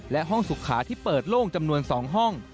และห้องสุขาที่เปิดโล่งจำนวน๒ห้อง